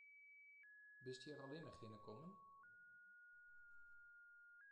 Bist hjir allinne hinne kommen?